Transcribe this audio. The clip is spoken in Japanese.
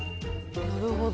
なるほど。